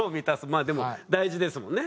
まあでも大事ですもんね。